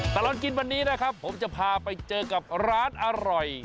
ตลอดกินวันนี้นะครับผมจะพาไปเจอกับร้านอร่อย